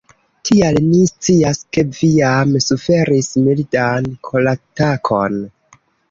Tial ni scias ke vi jam suferis mildan koratakon.